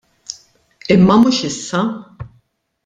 Imma mhux issa.